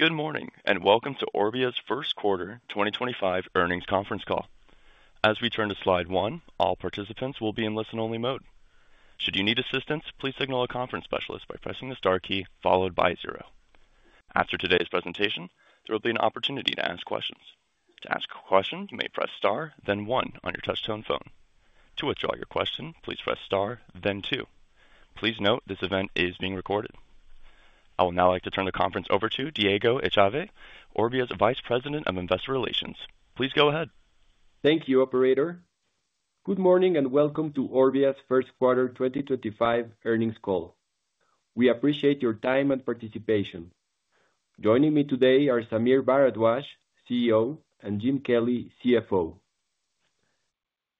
Good morning, and welcome to Orbia's first quarter 2025 earnings conference call. As we turn to Slide 1, all participants will be in listen-only mode. Should you need assistance, please signal a conference specialist by pressing the star key followed by zero. After today's presentation, there will be an opportunity to ask questions. To ask a question, you may press star, then one on your touch-tone phone. To withdraw your question, please press star, then two. Please note this event is being recorded. I would now like to turn the conference over to Diego Echave, Orbia's Vice President of Investor Relations. Please go ahead. Thank you, Operator. Good morning and welcome to Orbia's first quarter 2025 earnings call. We appreciate your time and participation. Joining me today are Sameer Bharadwaj, CEO, and Jim Kelly, CFO.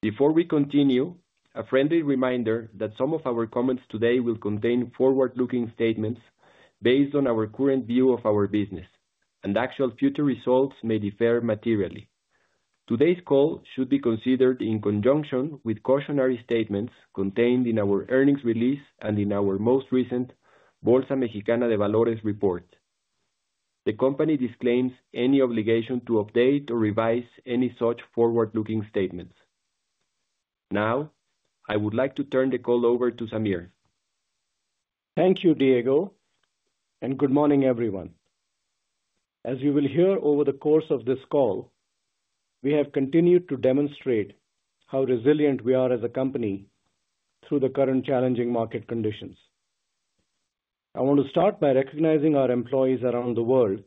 Before we continue, a friendly reminder that some of our comments today will contain forward-looking statements based on our current view of our business, and actual future results may differ materially. Today's call should be considered in conjunction with cautionary statements contained in our earnings release and in our most recent Bolsa Mexicana de Valores report. The company disclaims any obligation to update or revise any such forward-looking statements. Now, I would like to turn the call over to Sameer. Thank you, Diego, and good morning, everyone. As you will hear over the course of this call, we have continued to demonstrate how resilient we are as a company through the current challenging market conditions. I want to start by recognizing our employees around the world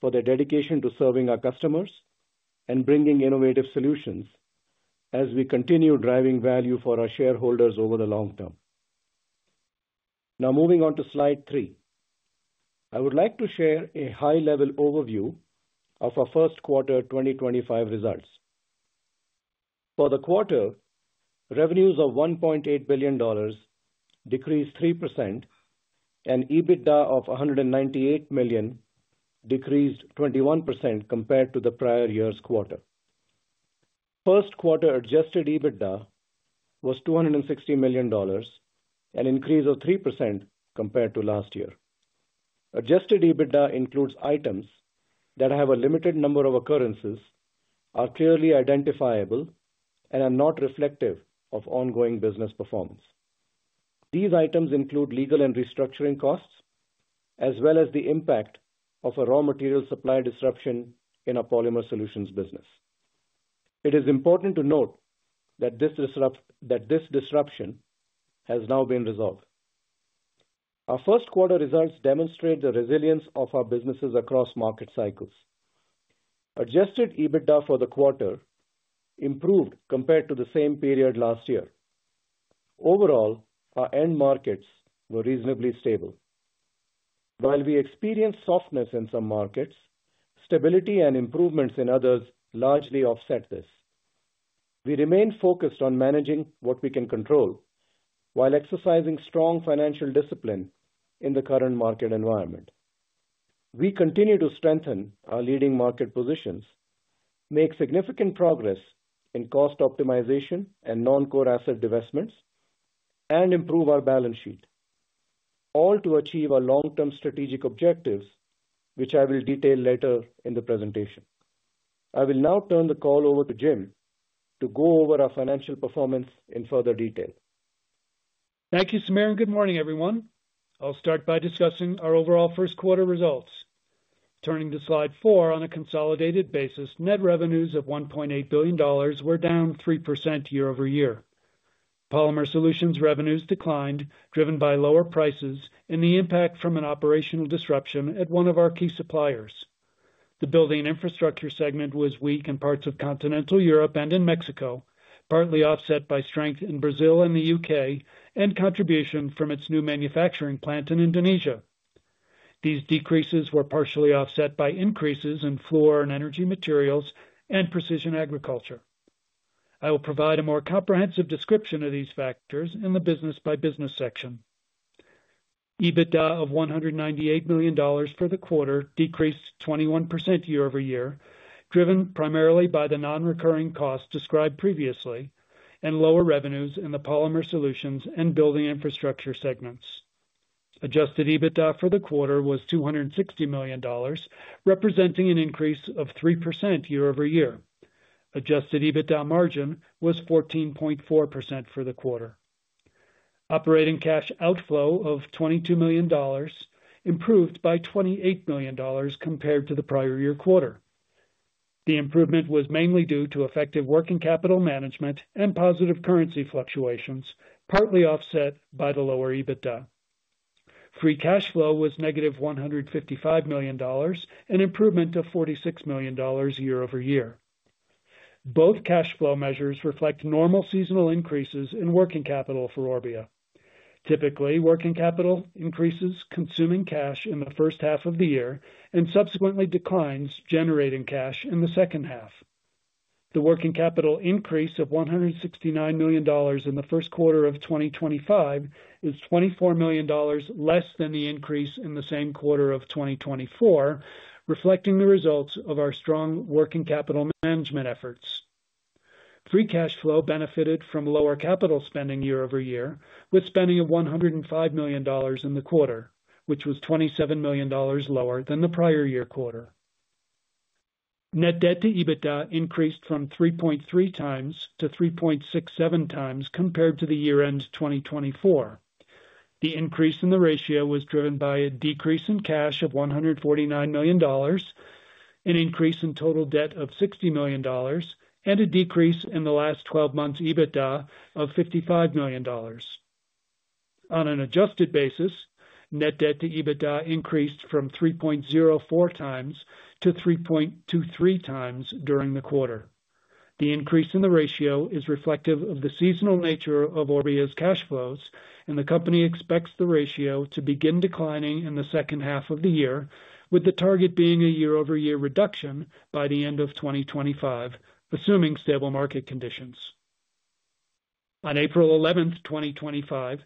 for their dedication to serving our customers and bringing innovative solutions as we continue driving value for our shareholders over the long term. Now, moving on to Slide 3, I would like to share a high-level overview of our first quarter 2025 results. For the quarter, revenues of $1.8 billion decreased 3%, and EBITDA of $198 million decreased 21% compared to the prior year's quarter. First quarter adjusted EBITDA was $260 million, an increase of 3% compared to last year. Adjusted EBITDA includes items that have a limited number of occurrences, are clearly identifiable, and are not reflective of ongoing business performance. These items include legal and restructuring costs, as well as the impact of a raw material supply disruption in a Polymer Solutions business. It is important to note that this disruption has now been resolved. Our first quarter results demonstrate the resilience of our businesses across market cycles. Adjusted EBITDA for the quarter improved compared to the same period last year. Overall, our end markets were reasonably stable. While we experienced softness in some markets, stability and improvements in others largely offset this. We remain focused on managing what we can control while exercising strong financial discipline in the current market environment. We continue to strengthen our leading market positions, make significant progress in cost optimization and non-core asset divestments, and improve our balance sheet, all to achieve our long-term strategic objectives, which I will detail later in the presentation. I will now turn the call over to Jim to go over our financial performance in further detail. Thank you, Sameer, and good morning, everyone. I'll start by discussing our overall first quarter results. Turning to Slide 4, on a consolidated basis, net revenues of $1.8 billion were down 3% year-over-year. Polymer Solutions revenues declined, driven by lower prices and the impact from an operational disruption at one of our key suppliers. The Building Infrastructure segment was weak in parts of continental Europe and in Mexico, partly offset by strength in Brazil and the U.K., and contribution from its new manufacturing plant in Indonesia. These decreases were partially offset by increases in Fluor & Energy Materials and Precision Agriculture. I will provide a more comprehensive description of these factors in the business-by-business section. EBITDA of $198 million for the quarter decreased 21% year-over-year, driven primarily by the non-recurring costs described previously and lower revenues in the Polymer Solutions and Building Infrastructure segments. Adjusted EBITDA for the quarter was $260 million, representing an increase of 3% year-over-year. Adjusted EBITDA margin was 14.4% for the quarter. Operating cash outflow of $22 million improved by $28 million compared to the prior year quarter. The improvement was mainly due to effective working capital management and positive currency fluctuations, partly offset by the lower EBITDA. Free cash flow was negative $155 million, an improvement of $46 million year-over-year. Both cash flow measures reflect normal seasonal increases in working capital for Orbia. Typically, working capital increases consuming cash in the first half of the year and subsequently declines generating cash in the second half. The working capital increase of $169 million in the first quarter of 2025 is $24 million less than the increase in the same quarter of 2024, reflecting the results of our strong working capital management efforts. Free cash flow benefited from lower capital spending year-over-year, with spending of $105 million in the quarter, which was $27 million lower than the prior year quarter. Net debt to EBITDA increased from 3.3 times to 3.67 times compared to the year-end 2024. The increase in the ratio was driven by a decrease in cash of $149 million, an increase in total debt of $60 million, and a decrease in the last 12 months' EBITDA of $55 million. On an adjusted basis, net debt to EBITDA increased from 3.04 times to 3.23 times during the quarter. The increase in the ratio is reflective of the seasonal nature of Orbia's cash flows, and the company expects the ratio to begin declining in the second half of the year, with the target being a year-over-year reduction by the end of 2025, assuming stable market conditions. On April 11, 2025,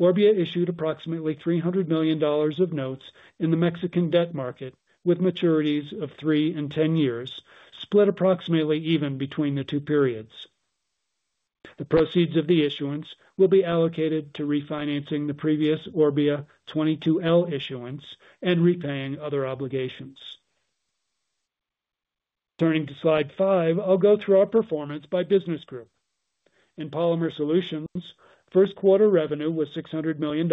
Orbia issued approximately $300 million of notes in the Mexican debt market, with maturities of 3 and 10 years, split approximately even between the two periods. The proceeds of the issuance will be allocated to refinancing the previous Orbia 22L issuance and repaying other obligations. Turning to Slide 5, I'll go through our performance by business group. In Polymer Solutions, first quarter revenue was $600 million,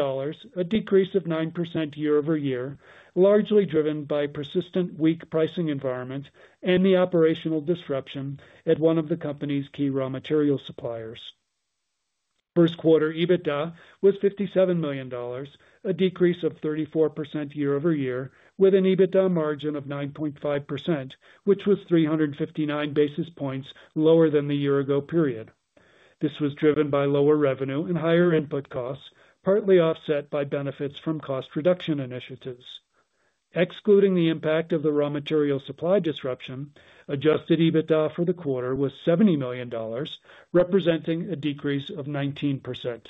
a decrease of 9% year-over-year, largely driven by persistent weak pricing environment and the operational disruption at one of the company's key raw material suppliers. First quarter EBITDA was $57 million, a decrease of 34% year-over-year, with an EBITDA margin of 9.5%, which was 359 basis points lower than the year-ago period. This was driven by lower revenue and higher input costs, partly offset by benefits from cost reduction initiatives. Excluding the impact of the raw material supply disruption, adjusted EBITDA for the quarter was $70 million, representing a decrease of 19%.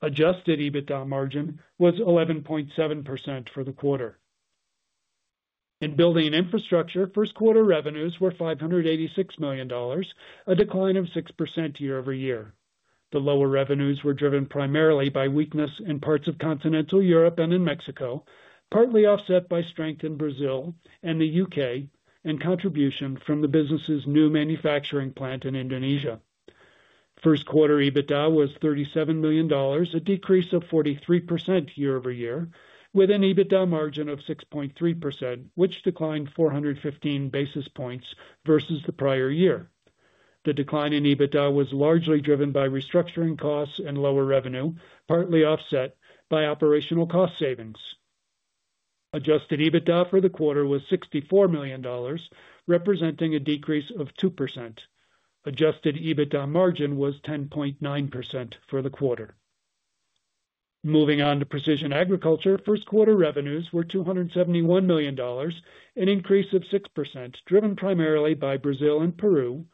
Adjusted EBITDA margin was 11.7% for the quarter. In Building Infrastructure, first quarter revenues were $586 million, a decline of 6% year-over-year. The lower revenues were driven primarily by weakness in parts of continental Europe and in Mexico, partly offset by strength in Brazil and the U.K., and contribution from the business's new manufacturing plant in Indonesia. First quarter EBITDA was $37 million, a decrease of 43% year-over-year, with an EBITDA margin of 6.3%, which declined 415 basis points versus the prior year. The decline in EBITDA was largely driven by restructuring costs and lower revenue, partly offset by operational cost savings. Adjusted EBITDA for the quarter was $64 million, representing a decrease of 2%. Adjusted EBITDA margin was 10.9% for the quarter. Moving on to Precision Agriculture, first quarter revenues were $271 million, an increase of 6%, driven primarily by Brazil and Peru,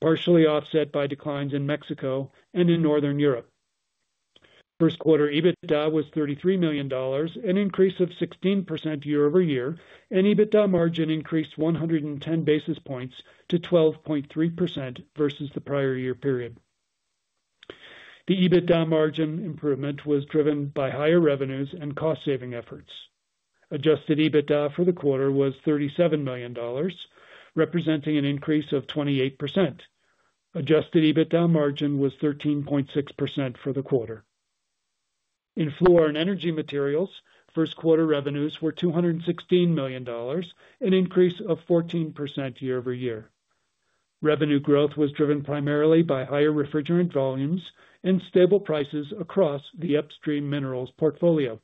partially offset by declines in Mexico and in northern Europe. First quarter EBITDA was $33 million, an increase of 16% year-over-year, and EBITDA margin increased 110 basis points to 12.3% versus the prior year period. The EBITDA margin improvement was driven by higher revenues and cost-saving efforts. Adjusted EBITDA for the quarter was $37 million, representing an increase of 28%. Adjusted EBITDA margin was 13.6% for the quarter. In Fluor & Energy Materials, first quarter revenues were $216 million, an increase of 14% year-over-year. Revenue growth was driven primarily by higher refrigerant volumes and stable prices across the upstream minerals portfolio.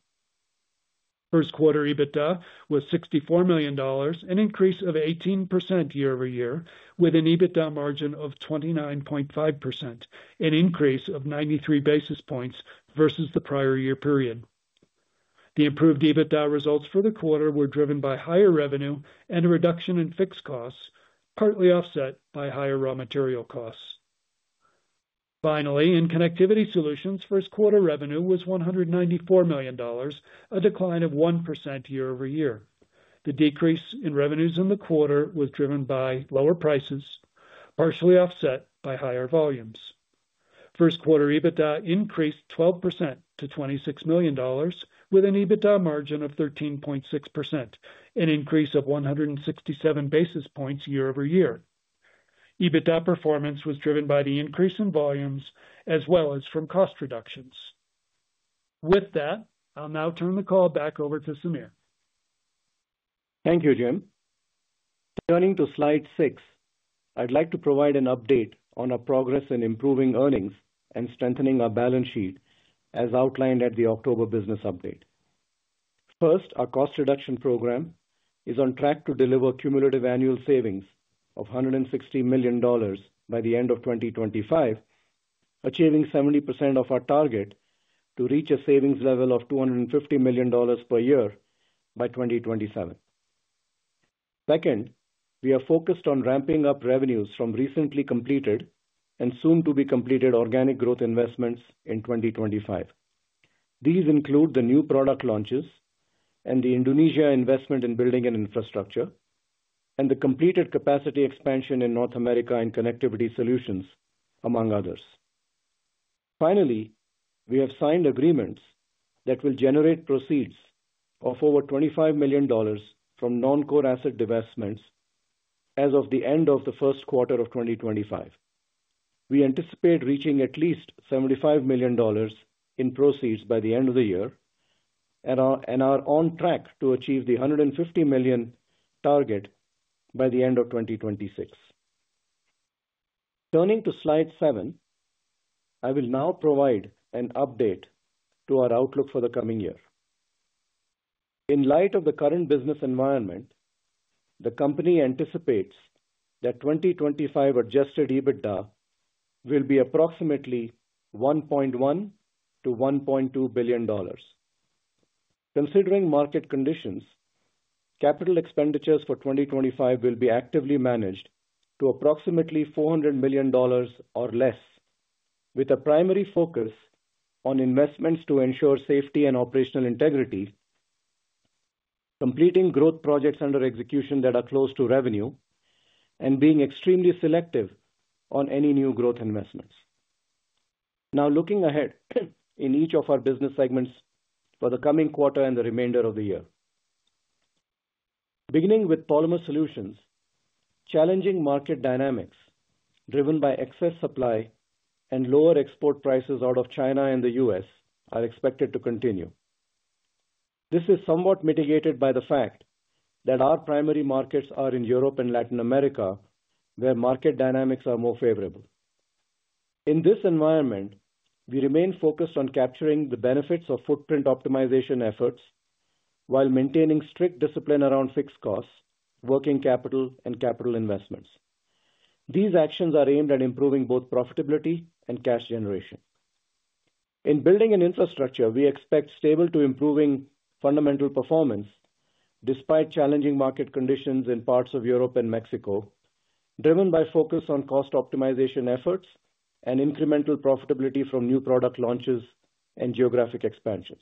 First quarter EBITDA was $64 million, an increase of 18% year-over-year, with an EBITDA margin of 29.5%, an increase of 93 basis points versus the prior year period. The improved EBITDA results for the quarter were driven by higher revenue and a reduction in fixed costs, partly offset by higher raw material costs. Finally, in Connectivity Solutions, first quarter revenue was $194 million, a decline of 1% year-over-year. The decrease in revenues in the quarter was driven by lower prices, partially offset by higher volumes. First quarter EBITDA increased 12% to $26 million, with an EBITDA margin of 13.6%, an increase of 167 basis points year-over-year. EBITDA performance was driven by the increase in volumes as well as from cost reductions. With that, I'll now turn the call back over to Sameer. Thank you, Jim. Turning to Slide 6, I'd like to provide an update on our progress in improving earnings and strengthening our balance sheet as outlined at the October business update. First, our cost reduction program is on track to deliver cumulative annual savings of $160 million by the end of 2025, achieving 70% of our target to reach a savings level of $250 million per year by 2027. Second, we are focused on ramping up revenues from recently completed and soon-to-be-completed organic growth investments in 2025. These include the new product launches and the Indonesia investment in Building & Infrastructure, and the completed capacity expansion in North America in Connectivity Solutions, among others. Finally, we have signed agreements that will generate proceeds of over $25 million from non-core asset divestments as of the end of the first quarter of 2025. We anticipate reaching at least $75 million in proceeds by the end of the year and are on track to achieve the $150 million target by the end of 2026. Turning to Slide 7, I will now provide an update to our outlook for the coming year. In light of the current business environment, the company anticipates that 2025 adjusted EBITDA will be approximately $1.1-$1.2 billion. Considering market conditions, capital expenditures for 2025 will be actively managed to approximately $400 million or less, with a primary focus on investments to ensure safety and operational integrity, completing growth projects under execution that are close to revenue, and being extremely selective on any new growth investments. Now, looking ahead in each of our business segments for the coming quarter and the remainder of the year, beginning with Polymer Solutions, challenging market dynamics driven by excess supply and lower export prices out of China and the U.S. are expected to continue. This is somewhat mitigated by the fact that our primary markets are in Europe and Latin America, where market dynamics are more favorable. In this environment, we remain focused on capturing the benefits of footprint optimization efforts while maintaining strict discipline around fixed costs, working capital, and capital investments. These actions are aimed at improving both profitability and cash generation. In Building & Infrastructure, we expect stable to improving fundamental performance despite challenging market conditions in parts of Europe and Mexico, driven by focus on cost optimization efforts and incremental profitability from new product launches and geographic expansions.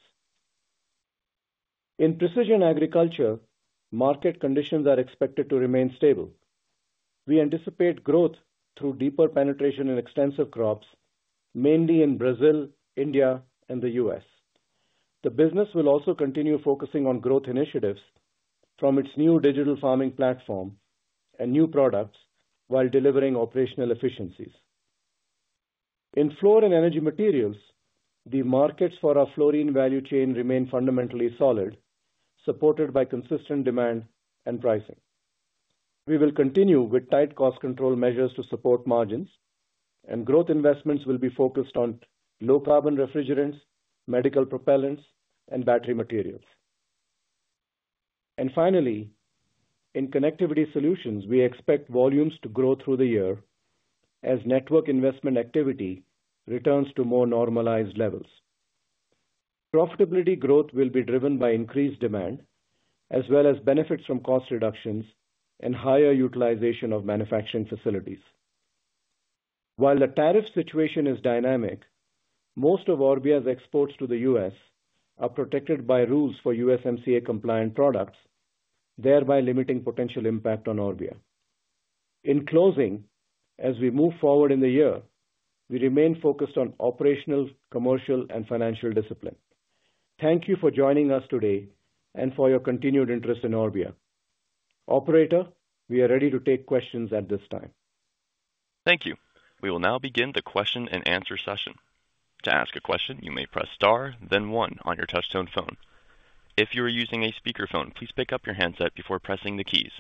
In Precision Agriculture, market conditions are expected to remain stable. We anticipate growth through deeper penetration in extensive crops, mainly in Brazil, India, and the U.S. The business will also continue focusing on growth initiatives from its new digital farming platform and new products while delivering operational efficiencies. In fluor and energy materials, the markets for our fluorine value chain remain fundamentally solid, supported by consistent demand and pricing. We will continue with tight cost control measures to support margins, and growth investments will be focused on low-carbon refrigerants, medical propellants, and battery materials. Finally, in Connectivity Solutions, we expect volumes to grow through the year as network investment activity returns to more normalized levels. Profitability growth will be driven by increased demand, as well as benefits from cost reductions and higher utilization of manufacturing facilities. While the tariff situation is dynamic, most of Orbia's exports to the U.S. are protected by rules for USMCA-compliant products, thereby limiting potential impact on Orbia. In closing, as we move forward in the year, we remain focused on operational, commercial, and financial discipline. Thank you for joining us today and for your continued interest in Orbia. Operator, we are ready to take questions at this time. Thank you. We will now begin the question-and-answer session. To ask a question, you may press star, then one on your touch-tone phone. If you are using a speakerphone, please pick up your handset before pressing the keys.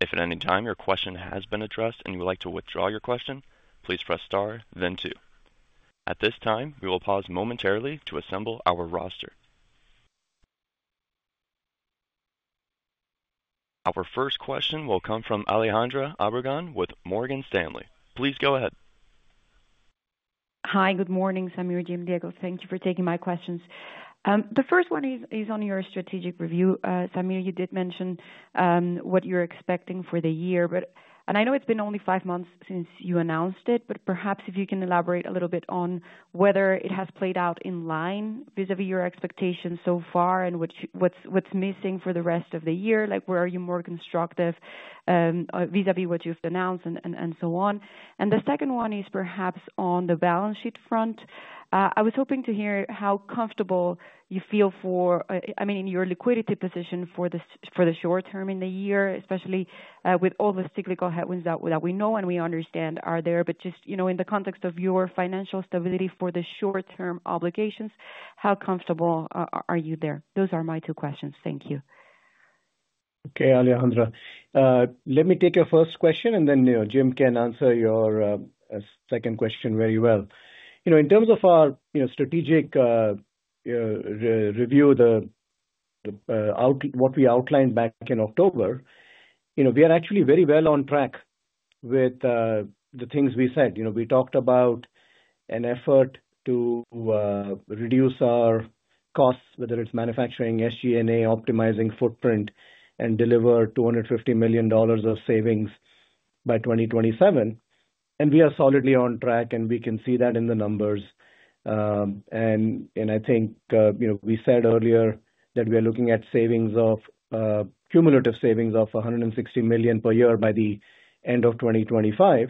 If at any time your question has been addressed and you would like to withdraw your question, please press star, then two. At this time, we will pause momentarily to assemble our roster. Our first question will come from Alejandra Obregón with Morgan Stanley. Please go ahead. Hi, good morning, Sameer, Jim, Diego. Thank you for taking my questions. The first one is on your strategic review. Sameer, you did mention what you're expecting for the year, and I know it's been only five months since you announced it, but perhaps if you can elaborate a little bit on whether it has played out in line vis-à-vis your expectations so far and what's missing for the rest of the year, like where are you more constructive vis-à-vis what you've announced and so on. The second one is perhaps on the balance sheet front. I was hoping to hear how comfortable you feel for, I mean, in your liquidity position for the short term in the year, especially with all the cyclical headwinds that we know and we understand are there, just in the context of your financial stability for the short-term obligations, how comfortable are you there? Those are my two questions. Thank you. Okay, Alejandra. Let me take your first question, and then Jim can answer your second question very well. In terms of our strategic review, what we outlined back in October, we are actually very well on track with the things we said. We talked about an effort to reduce our costs, whether it is manufacturing, SG&A, optimizing footprint, and deliver $250 million of savings by 2027. We are solidly on track, and we can see that in the numbers. I think we said earlier that we are looking at cumulative savings of $160 million per year by the end of 2025.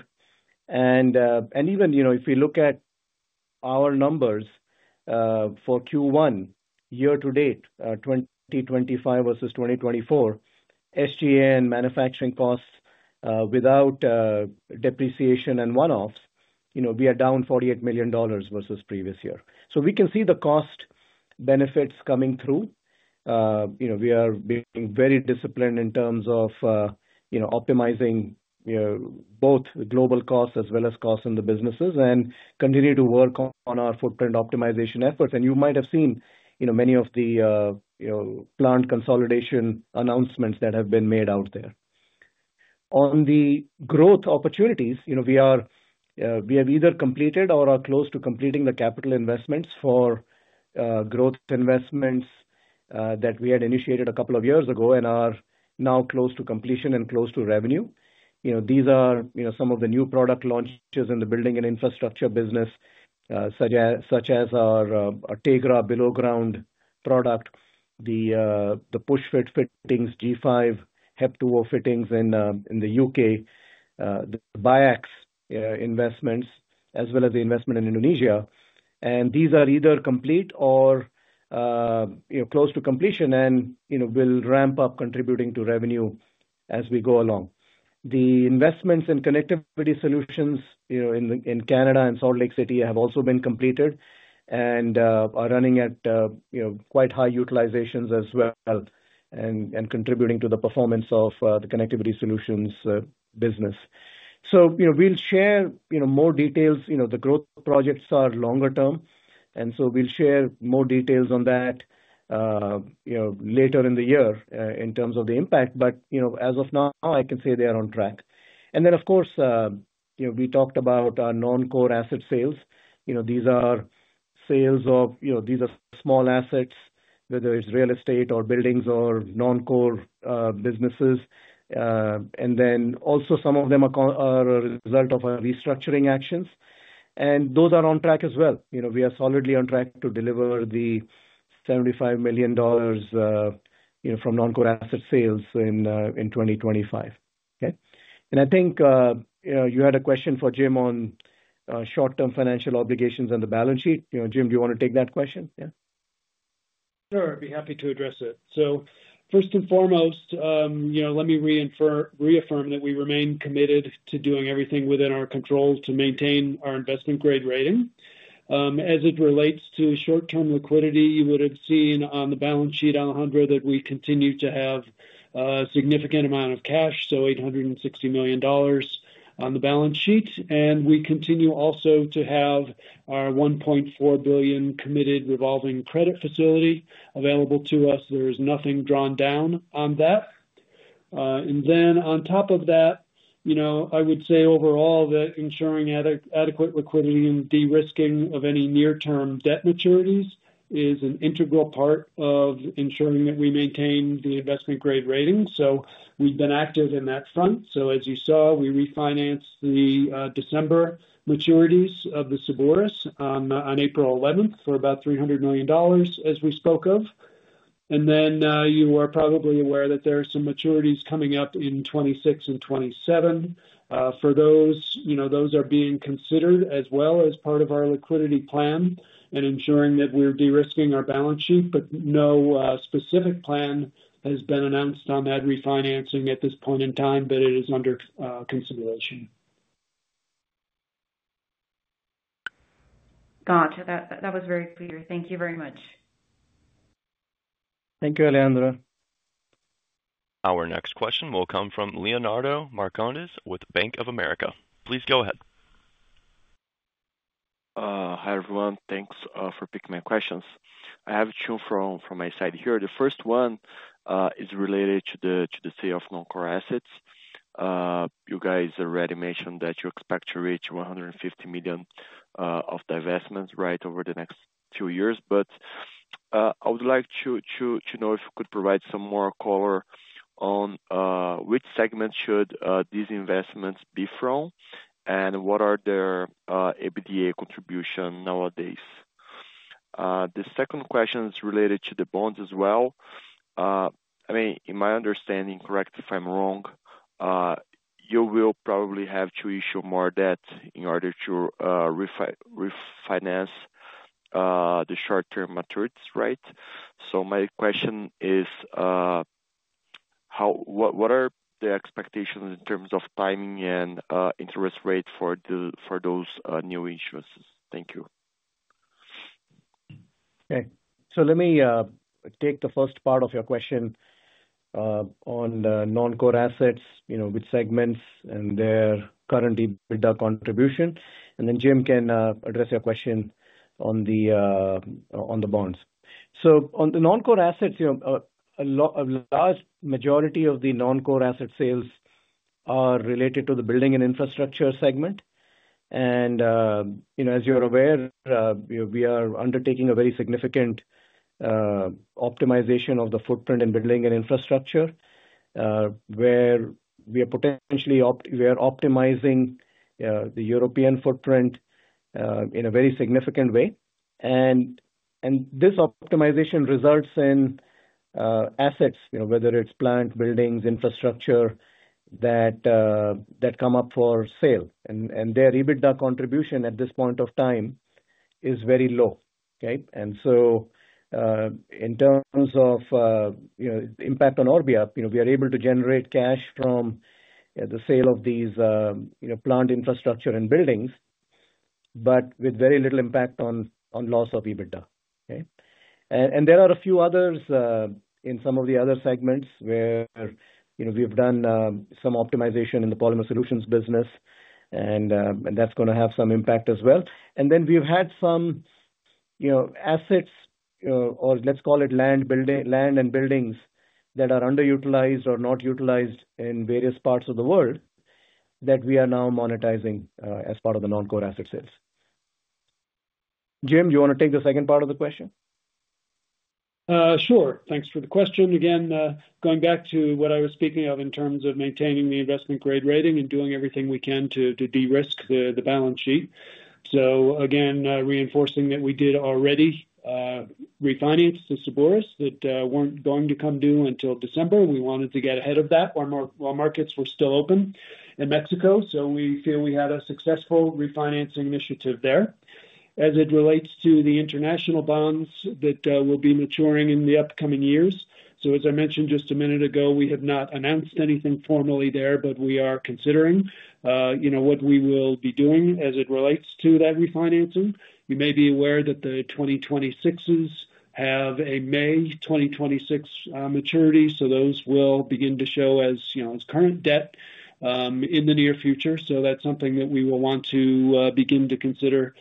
Even if we look at our numbers for Q1 year-to-date, 2025 versus 2024, SG&A and manufacturing costs without depreciation and one-offs, we are down $48 million versus previous year. We can see the cost benefits coming through. We are being very disciplined in terms of optimizing both global costs as well as costs in the businesses and continue to work on our footprint optimization efforts. You might have seen many of the plant consolidation announcements that have been made out there. On the growth opportunities, we have either completed or are close to completing the capital investments for growth investments that we had initiated a couple of years ago and are now close to completion and close to revenue. These are some of the new product launches in the Building & Infrastructure business, such as our Tegra below-ground product, the push-fit fittings, G5 Hep2O fittings in the U.K., the Biax investments, as well as the investment in Indonesia. These are either complete or close to completion and will ramp up, contributing to revenue as we go along. The investments in Connectivity Solutions in Canada and Salt Lake City have also been completed and are running at quite high utilizations as well and contributing to the performance of the Connectivity Solutions business. We will share more details. The growth projects are longer term, and we will share more details on that later in the year in terms of the impact. As of now, I can say they are on track. Of course, we talked about our non-core asset sales. These are sales of small assets, whether it is real estate or buildings or non-core businesses. Also, some of them are a result of our restructuring actions. Those are on track as well. We are solidly on track to deliver the $75 million from non-core asset sales in 2025. Okay. I think you had a question for Jim on short-term financial obligations and the balance sheet. Jim, do you want to take that question? Yeah. Sure. I'd be happy to address it. First and foremost, let me reaffirm that we remain committed to doing everything within our control to maintain our investment-grade rating. As it relates to short-term liquidity, you would have seen on the balance sheet, Alejandra, that we continue to have a significant amount of cash, so $860 million on the balance sheet. We continue also to have our $1.4 billion committed revolving credit facility available to us. There is nothing drawn down on that. On top of that, I would say overall that ensuring adequate liquidity and de-risking of any near-term debt maturities is an integral part of ensuring that we maintain the investment-grade rating. We have been active in that front. As you saw, we refinanced the December maturities of the Cebures on April 11th for about $300 million as we spoke of. You are probably aware that there are some maturities coming up in 2026 and 2027. For those, those are being considered as well as part of our liquidity plan and ensuring that we are de-risking our balance sheet, but no specific plan has been announced on that refinancing at this point in time, but it is under consideration. Gotcha. That was very clear. Thank you very much. Thank you, Alejandra. Our next question will come from Leonardo Marcondes with Bank of America. Please go ahead. Hi, everyone. Thanks for picking my questions. I have two from my side here. The first one is related to the sale of non-core assets. You guys already mentioned that you expect to reach $150 million of divestments right over the next few years. I would like to know if you could provide some more color on which segments should these divestments be from and what are their EBITDA contribution nowadays. The second question is related to the bonds as well. I mean, in my understanding, correct if I'm wrong, you will probably have to issue more debt in order to refinance the short-term maturities, right? My question is, what are the expectations in terms of timing and interest rate for those new issuances? Thank you. Okay. Let me take the first part of your question on the non-core assets, which segments and their current EBITDA contribution. Jim can address your question on the bonds. On the non-core assets, a large majority of the non-core asset sales are related to the Building & Infrastructure segment. As you're aware, we are undertaking a very significant optimization of the footprint in Building & Infrastructure where we are potentially optimizing the European footprint in a very significant way. This optimization results in assets, whether it's plants, buildings, infrastructure, that come up for sale. Their EBITDA contribution at this point of time is very low. In terms of impact on Orbia, we are able to generate cash from the sale of these plant infrastructure and buildings, but with very little impact on loss of EBITDA. There are a few others in some of the other segments where we've done some optimization in the Polymer Solutions business, and that's going to have some impact as well. We've had some assets, or let's call it land and buildings that are underutilized or not utilized in various parts of the world that we are now monetizing as part of the non-core asset sales. Jim, do you want to take the second part of the question? Sure. Thanks for the question. Again, going back to what I was speaking of in terms of maintaining the investment-grade rating and doing everything we can to de-risk the balance sheet. Again, reinforcing that we did already refinance the Cebures that were not going to come due until December. We wanted to get ahead of that while markets were still open in Mexico. We feel we had a successful refinancing initiative there. As it relates to the international bonds that will be maturing in the upcoming years, as I mentioned just a minute ago, we have not announced anything formally there, but we are considering what we will be doing as it relates to that refinancing. You may be aware that the 2026s have a May 2026 maturity, so those will begin to show as current debt in the near future. That is something that we will want to begin to consider,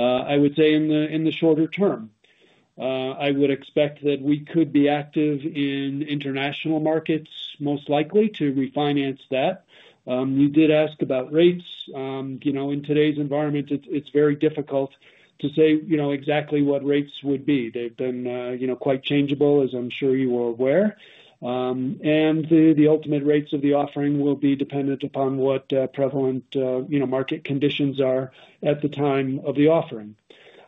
I would say, in the shorter term. I would expect that we could be active in international markets, most likely to refinance that. You did ask about rates. In today's environment, it is very difficult to say exactly what rates would be. They have been quite changeable, as I am sure you are aware. The ultimate rates of the offering will be dependent upon what prevalent market conditions are at the time of the offering.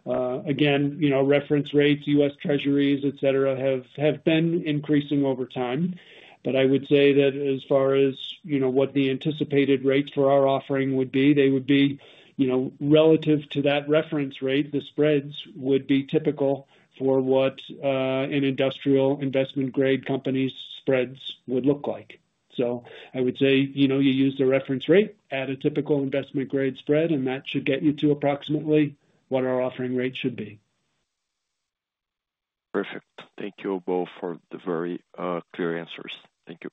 Again, reference rates, U.S. Treasuries, etc., have been increasing over time. I would say that as far as what the anticipated rates for our offering would be, they would be relative to that reference rate. The spreads would be typical for what an industrial investment-grade company's spreads would look like. I would say you use the reference rate at a typical investment-grade spread, and that should get you to approximately what our offering rate should be. Perfect. Thank you both for the very clear answers. Thank you.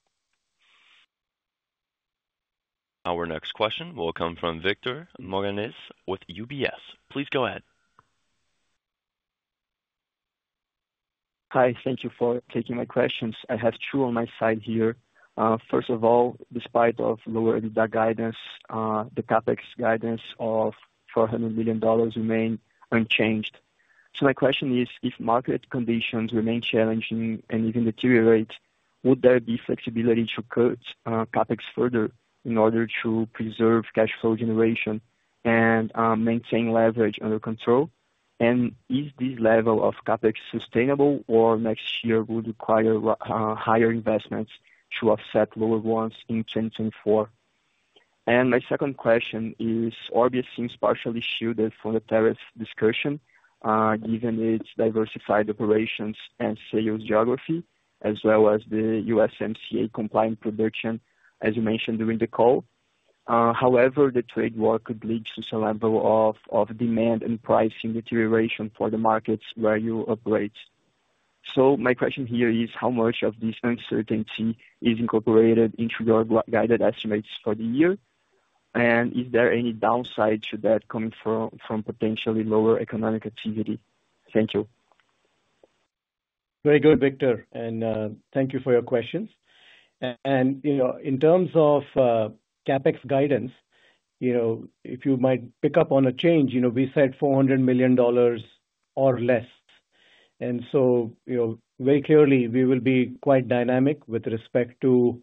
Our next question will come from Victor Modanese with UBS. Please go ahead. Hi. Thank you for taking my questions. I have two on my side here. First of all, despite lower EBITDA guidance, the CapEx guidance of $400 million remains unchanged. My question is, if market conditions remain challenging and even deteriorate, would there be flexibility to cut CapEx further in order to preserve cash flow generation and maintain leverage under control? Is this level of CapEx sustainable, or will next year require higher investments to offset lower ones in 2024? My second question is, Orbia seems partially shielded from the tariff discussion, given its diversified operations and sales geography, as well as the USMCA-compliant production, as you mentioned during the call. However, the trade war could lead to some level of demand and pricing deterioration for the markets where you operate. My question here is, how much of this uncertainty is incorporated into your guided estimates for the year? Is there any downside to that coming from potentially lower economic activity? Thank you. Very good, Victor. Thank you for your questions. In terms of CapEx guidance, if you might pick up on a change, we said $400 million or less. Very clearly, we will be quite dynamic with respect to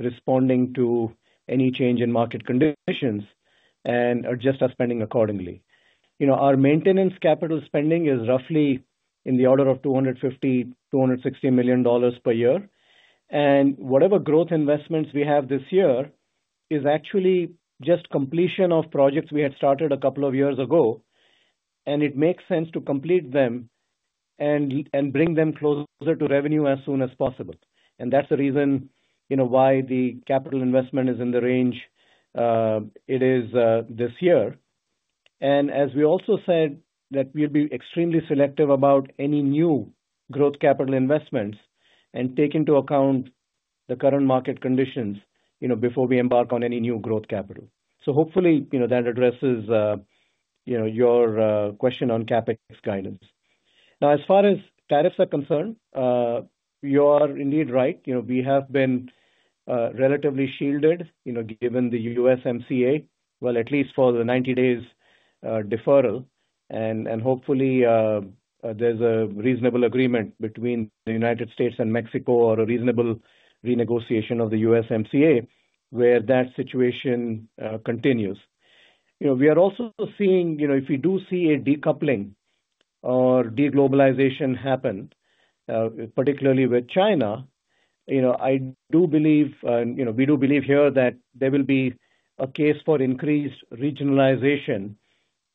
responding to any change in market conditions and adjust our spending accordingly. Our maintenance capital spending is roughly in the order of $250-$260 million per year. Whatever growth investments we have this year is actually just completion of projects we had started a couple of years ago. It makes sense to complete them and bring them closer to revenue as soon as possible. That is the reason why the capital investment is in the range it is this year. As we also said, we will be extremely selective about any new growth capital investments and take into account the current market conditions before we embark on any new growth capital. Hopefully, that addresses your question on CapEx guidance. Now, as far as tariffs are concerned, you are indeed right. We have been relatively shielded given the USMCA, at least for the 90-day deferral. Hopefully, there is a reasonable agreement between the United States and Mexico or a reasonable renegotiation of the USMCA where that situation continues. We are also seeing, if we do see a decoupling or deglobalization happen, particularly with China, I do believe, we do believe here, that there will be a case for increased regionalization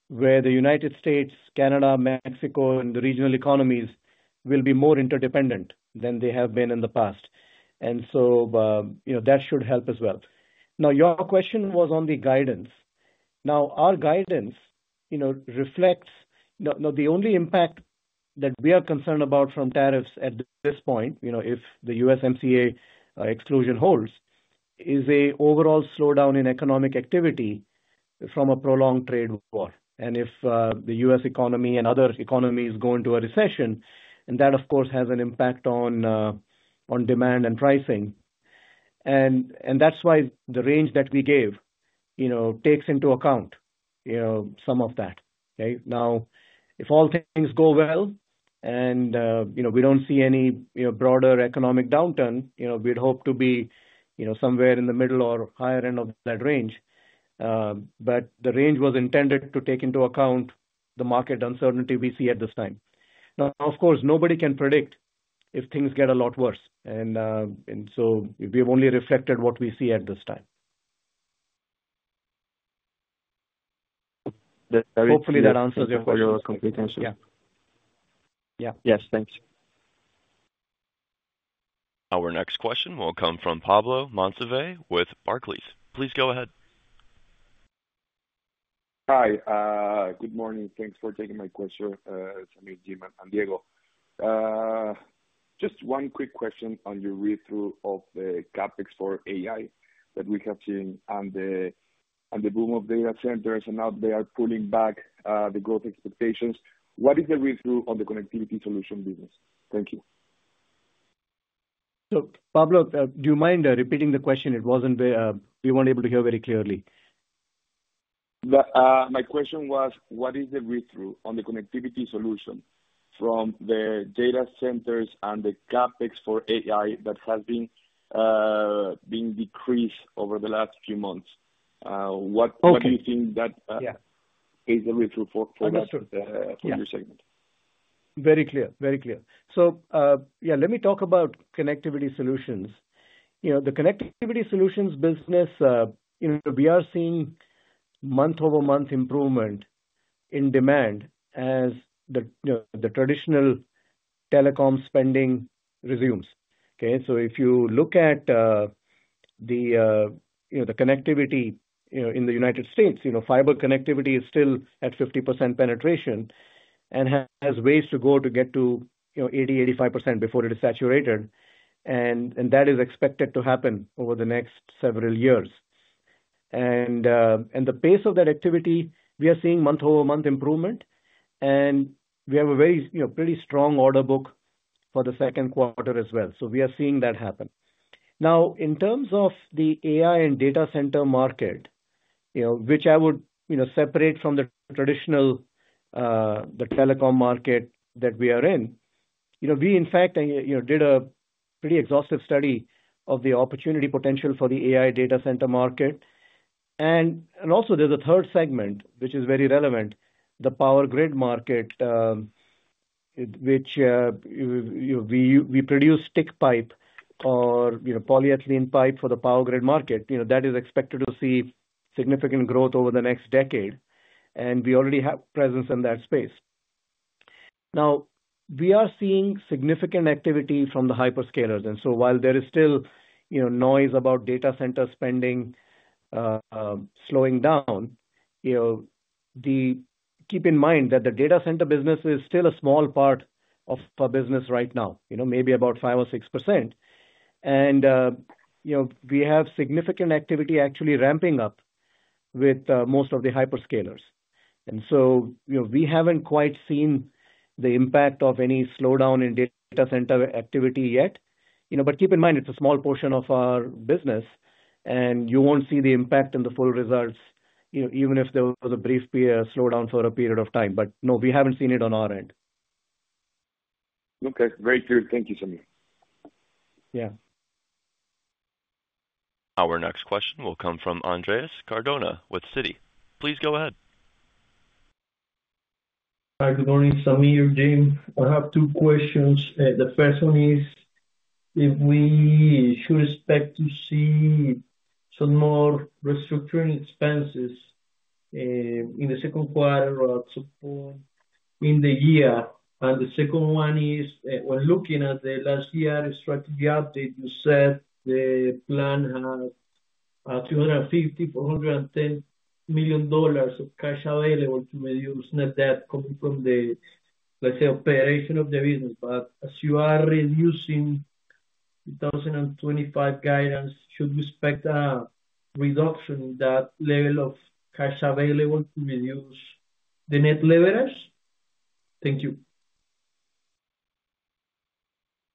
where the United States, Canada, Mexico, and the regional economies will be more interdependent than they have been in the past. That should help as well. Now, your question was on the guidance. Our guidance reflects the only impact that we are concerned about from tariffs at this point, if the USMCA exclusion holds, is an overall slowdown in economic activity from a prolonged trade war. If the U.S. economy and other economies go into a recession, that, of course, has an impact on demand and pricing. That is why the range that we gave takes into account some of that. Okay? If all things go well and we do not see any broader economic downturn, we would hope to be somewhere in the middle or higher end of that range. The range was intended to take into account the market uncertainty we see at this time. Of course, nobody can predict if things get a lot worse. We have only reflected what we see at this time. Hopefully, that answers your question. Yeah. Yes. Thanks. Our next question will come from Pablo Monsivais with Barclays. Please go ahead. Hi. Good morning. Thanks for taking my question, Sameer, Jim, and Diego. Just one quick question on your read-through of the CapEx for AI that we have seen on the boom of data centers and how they are pulling back the growth expectations. What is the read-through on the Connectivity Solutions business? Thank you. Pablo, do you mind repeating the question? We were not able to hear very clearly. My question was, what is the read-through on the Connectivity Solutions from the data centers and the CapEx for AI that has been decreased over the last few months? What do you think that is the read-through for your segment? Very clear. Very clear. Yeah, let me talk about Connectivity Solutions. The Connectivity Solutions business, we are seeing month-over-month improvement in demand as the traditional telecom spending resumes. Okay? If you look at the connectivity in the United States, fiber connectivity is still at 50% penetration and has ways to go to get to 80%-85% before it is saturated. That is expected to happen over the next several years. The pace of that activity, we are seeing month-over-month improvement. We have a pretty strong order book for the second quarter as well. We are seeing that happen. In terms of the AI and data center market, which I would separate from the traditional telecom market that we are in, we, in fact, did a pretty exhaustive study of the opportunity potential for the AI data center market. There is a third segment, which is very relevant, the power grid market, which we produce stick pipe or polyethylene pipe for the power grid market. That is expected to see significant growth over the next decade. We already have presence in that space. We are seeing significant activity from the hyperscalers. While there is still noise about data center spending slowing down, keep in mind that the data center business is still a small part of our business right now, maybe about 5% or 6%. We have significant activity actually ramping up with most of the hyperscalers. We have not quite seen the impact of any slowdown in data center activity yet. Keep in mind, it's a small portion of our business, and you won't see the impact in the full results even if there was a brief slowdown for a period of time. No, we haven't seen it on our end. Okay. Very clear. Thank you, Sameer. Yeah. Our next question will come from Andrés Cardona with Citi. Please go ahead. Hi. Good morning, Sameer, Jim. I have two questions. The first one is, if we should expect to see some more restructuring expenses in the second quarter or in the year? The second one is, when looking at the last year's strategy update, you said the plan has $250 million-$410 million of cash available to reduce net debt coming from the, let's say, operation of the business. As you are reducing 2025 guidance, should we expect a reduction in that level of cash available to reduce the net leverage? Thank you.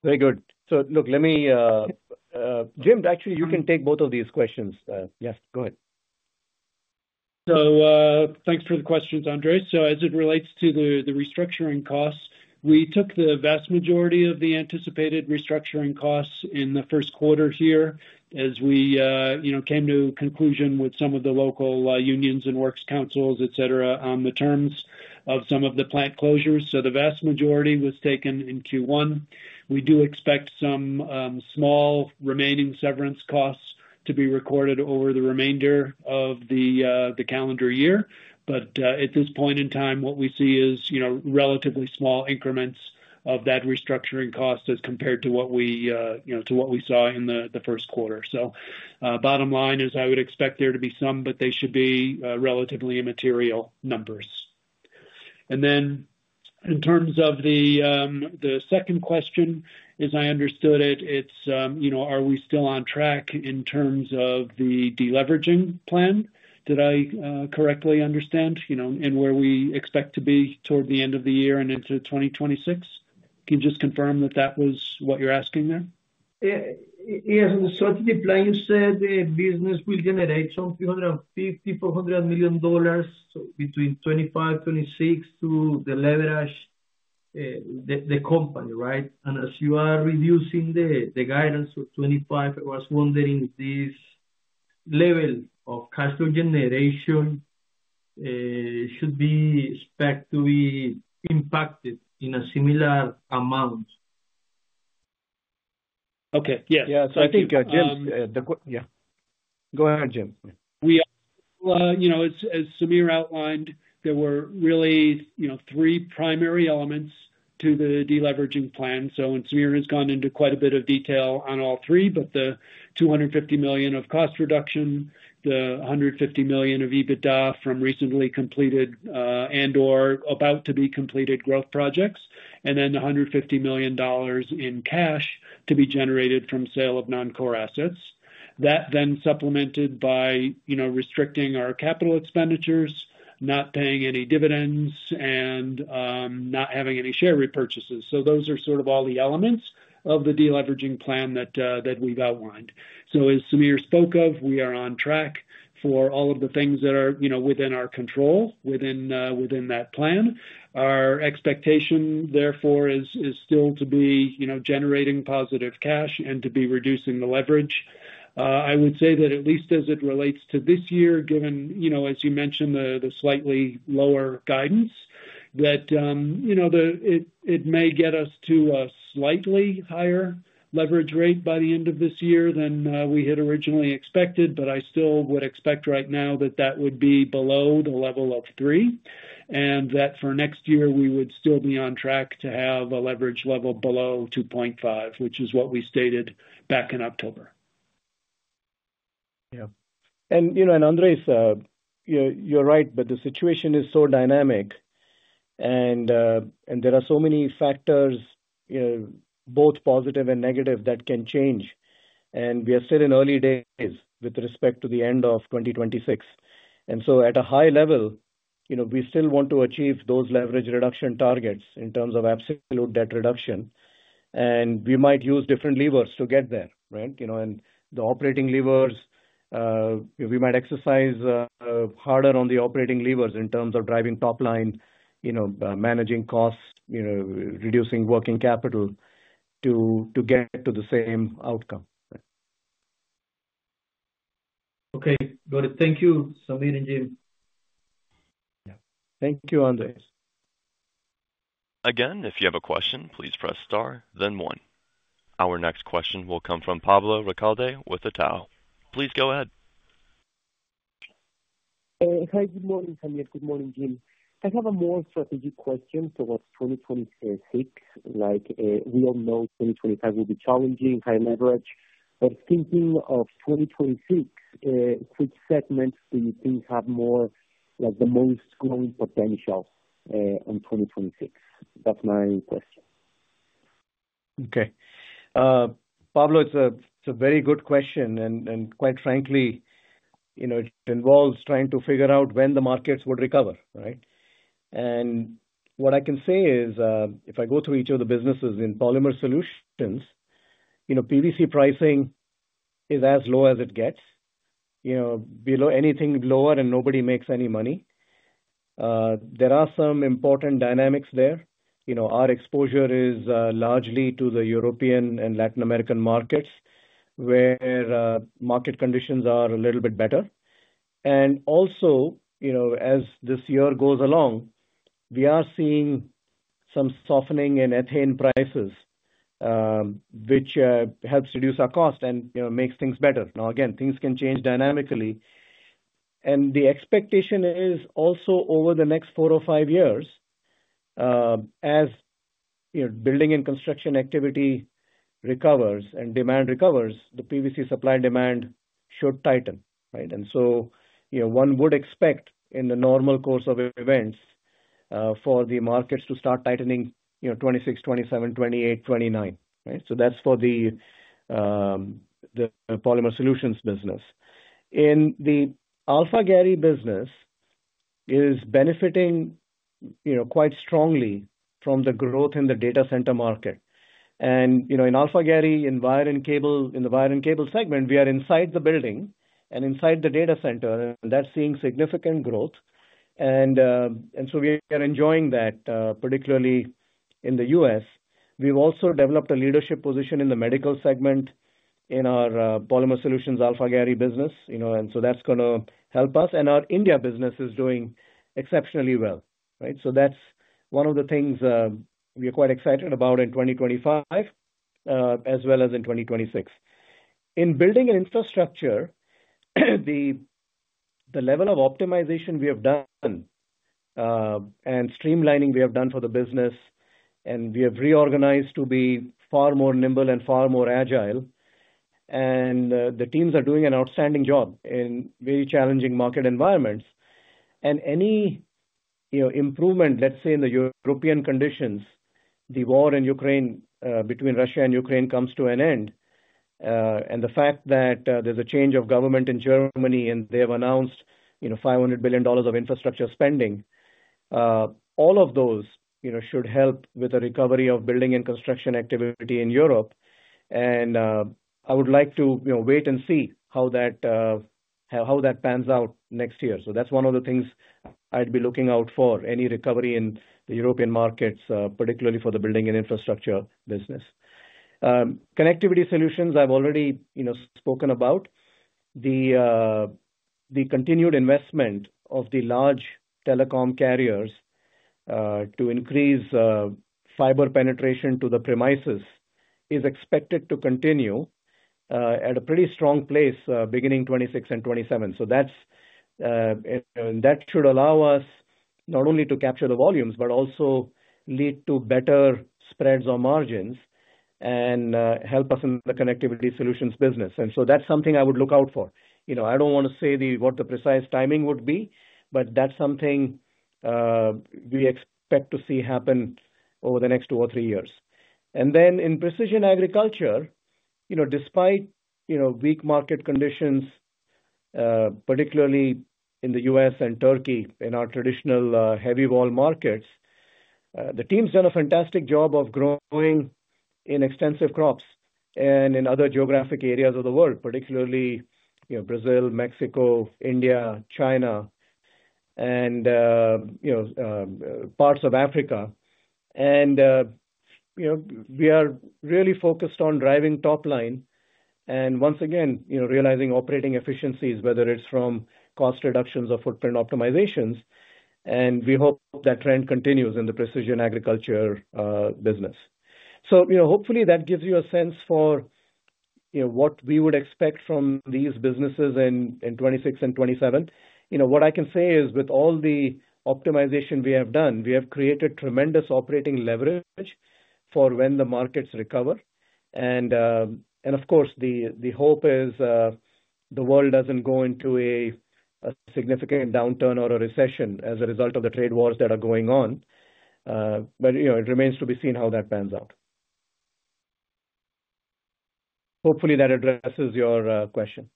Very good. Look, Jim, actually, you can take both of these questions. Yes, go ahead. Thanks for the questions, Andrés. As it relates to the restructuring costs, we took the vast majority of the anticipated restructuring costs in the first quarter here as we came to conclusion with some of the local unions and works councils, etc., on the terms of some of the plant closures. The vast majority was taken in Q1. We do expect some small remaining severance costs to be recorded over the remainder of the calendar year. At this point in time, what we see is relatively small increments of that restructuring cost as compared to what we saw in the first quarter. Bottom line is, I would expect there to be some, but they should be relatively immaterial numbers. In terms of the second question, as I understood it, it's, are we still on track in terms of the deleveraging plan? Did I correctly understand in where we expect to be toward the end of the year and into 2026? Can you just confirm that that was what you're asking there? Yes. The strategy plan, you said the business will generate some $250 million-$400 million between 2025, 2026 to deleverage the company, right? As you are reducing the guidance of 2025, I was wondering if this level of cash flow generation should be expected to be impacted in a similar amount. Okay. Yes. I think, Jim, yeah. Go ahead, Jim. As Sameer outlined, there were really three primary elements to the deleveraging plan. Sameer has gone into quite a bit of detail on all three, but the $250 million of cost reduction, the $150 million of EBITDA from recently completed and/or about to be completed growth projects, and then the $150 million in cash to be generated from sale of non-core assets. That is then supplemented by restricting our capital expenditures, not paying any dividends, and not having any share repurchases. Those are sort of all the elements of the deleveraging plan that we have outlined. As Sameer spoke of, we are on track for all of the things that are within our control within that plan. Our expectation, therefore, is still to be generating positive cash and to be reducing the leverage. I would say that at least as it relates to this year, given, as you mentioned, the slightly lower guidance, that it may get us to a slightly higher leverage rate by the end of this year than we had originally expected. I still would expect right now that that would be below the level of 3, and that for next year, we would still be on track to have a leverage level below 2.5, which is what we stated back in October. Yeah. Andrés, you're right, the situation is so dynamic. There are so many factors, both positive and negative, that can change. We are still in early days with respect to the end of 2026. At a high level, we still want to achieve those leverage reduction targets in terms of absolute debt reduction. We might use different levers to get there, right? The operating levers, we might exercise harder on the operating levers in terms of driving top line, managing costs, reducing working capital to get to the same outcome. Okay. Got it. Thank you, Sameer and Jim. Thank you, Andrés. Again, if you have a question, please press star, then one. Our next question will come from Pablo Ricalde with Itaú. Please go ahead. Hi. Good morning, Sameer. Good morning, Jim. I have a more strategic question towards 2026. We all know 2025 will be challenging, high leverage. Thinking of 2026, which segments do you think have the most growing potential in 2026? That's my question. Okay. Pablo, it's a very good question. Quite frankly, it involves trying to figure out when the markets would recover, right? What I can say is, if I go through each of the businesses in Polymer Solutions, PVC pricing is as low as it gets. Below anything lower, and nobody makes any money. There are some important dynamics there. Our exposure is largely to the European and Latin American markets where market conditions are a little bit better. Also, as this year goes along, we are seeing some softening in ethane prices, which helps reduce our cost and makes things better. Now, again, things can change dynamically. The expectation is also over the next four or five years, as building and construction activity recovers and demand recovers, the PVC supply demand should tighten, right? One would expect in the normal course of events for the markets to start tightening 2026, 2027, 2028, 2029, right? That is for the Polymer Solutions business. The Alphagary business is benefiting quite strongly from the growth in the data center market. In Alphagary and wire and cable, in the wire and cable segment, we are inside the building and inside the data center, and that is seeing significant growth. We are enjoying that, particularly in the U.S. We have also developed a leadership position in the medical segment in our Polymer Solutions Alphagary business. That is going to help us. Our India business is doing exceptionally well, right? That is one of the things we are quite excited about in 2025 as well as in 2026. In Building & Infrastructure, the level of optimization we have done and streamlining we have done for the business, we have reorganized to be far more nimble and far more agile. The teams are doing an outstanding job in very challenging market environments. Any improvement, let's say, in the European conditions, the war in Ukraine between Russia and Ukraine comes to an end. The fact that there's a change of government in Germany, and they have announced $500 billion of infrastructure spending, all of those should help with the recovery of building and construction activity in Europe. I would like to wait and see how that pans out next year. That is one of the things I would be looking out for, any recovery in the European markets, particularly for the Building & Infrastructure business. Connectivity Solutions, I have already spoken about. The continued investment of the large telecom carriers to increase fiber penetration to the premises is expected to continue at a pretty strong pace beginning 2026 and 2027. That should allow us not only to capture the volumes, but also lead to better spreads or margins and help us in the Connectivity Solutions business. That is something I would look out for. I do not want to say what the precise timing would be, but that is something we expect to see happen over the next two or three years. In Precision Agriculture, despite weak market conditions, particularly in the U.S. and Turkey, in our traditional heavy-wall markets, the team's done a fantastic job of growing in extensive crops and in other geographic areas of the world, particularly Brazil, Mexico, India, China, and parts of Africa. We are really focused on driving top line and, once again, realizing operating efficiencies, whether it is from cost reductions or footprint optimizations. We hope that trend continues in the Precision Agriculture business. Hopefully, that gives you a sense for what we would expect from these businesses in 2026 and 2027. What I can say is, with all the optimization we have done, we have created tremendous operating leverage for when the markets recover. Of course, the hope is the world does not go into a significant downturn or a recession as a result of the trade wars that are going on. It remains to be seen how that pans out. Hopefully, that addresses your question.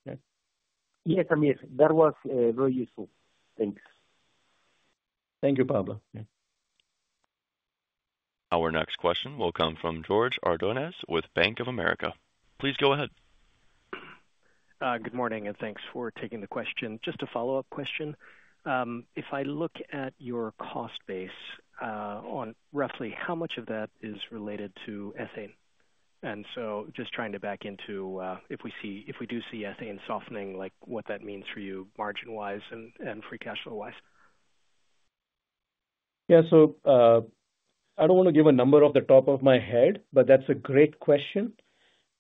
Yes, Sameer. That was very useful. Thanks. Thank you, Pablo. Our next question will come from George Ordonez with Bank of America. Please go ahead. Good morning, and thanks for taking the question. Just a follow-up question. If I look at your cost base on roughly how much of that is related to ethane? Just trying to back into if we do see ethane softening, what that means for you margin-wise and free cash flow-wise. Yeah. I do not want to give a number off the top of my head, but that is a great question.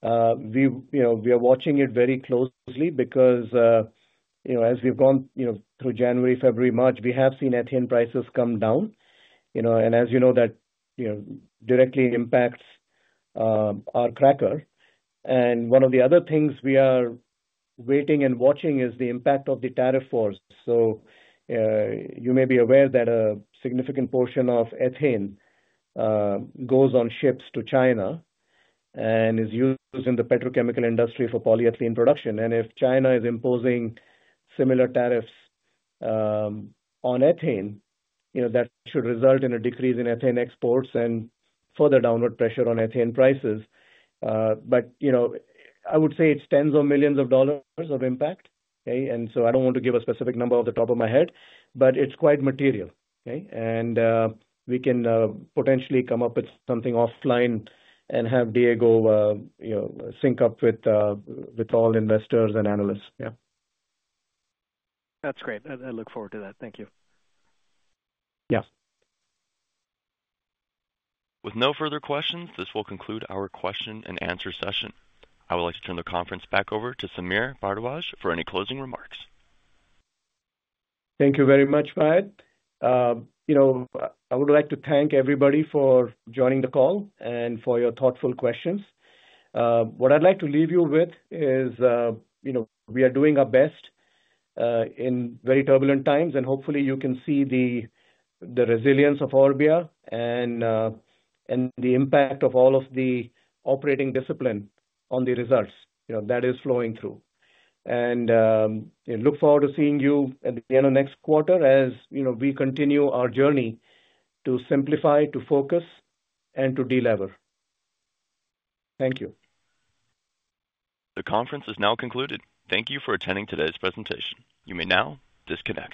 We are watching it very closely because as we have gone through January, February, March, we have seen ethane prices come down. As you know, that directly impacts our cracker. One of the other things we are waiting and watching is the impact of the tariff wars. You may be aware that a significant portion of ethane goes on ships to China and is used in the petrochemical industry for polyethylene production. If China is imposing similar tariffs on ethane, that should result in a decrease in ethane exports and further downward pressure on ethane prices. I would say it is tens of millions of dollars of impact. I do not want to give a specific number off the top of my head, but it is quite material. We can potentially come up with something offline and have Diego sync up with all investors and analysts. Yeah. That's great. I look forward to that. Thank you. Yeah. With no further questions, this will conclude our question-and-answer session. I would like to turn the conference back over to Sameer Bharadwaj for any closing remarks. Thank you very much, Brad. I would like to thank everybody for joining the call and for your thoughtful questions. What I'd like to leave you with is we are doing our best in very turbulent times, and hopefully, you can see the resilience of Orbia and the impact of all of the operating discipline on the results that is flowing through. I look forward to seeing you at the end of next quarter as we continue our journey to simplify, to focus, and to de-lever. Thank you. The conference is now concluded. Thank you for attending today's presentation. You may now disconnect.